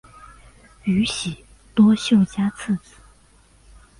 宇喜多秀家次子。